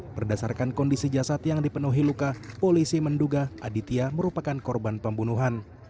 berdasarkan kondisi jasad yang dipenuhi luka polisi menduga aditya merupakan korban pembunuhan